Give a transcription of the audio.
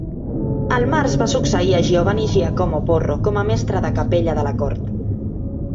Al març, va succeir a Giovanni Giacomo Porro com a mestre de capella de la cort.